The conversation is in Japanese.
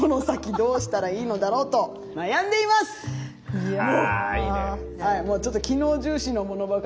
いやいいね。